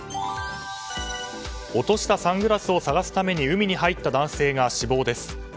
落としたサングラスを探すために海に入った男性が死亡です。